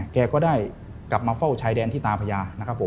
แกก็ได้กลับมาเฝ้าชายแดนที่ตาพยา